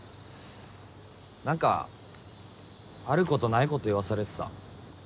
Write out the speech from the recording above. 何かあることないこと言わされてた。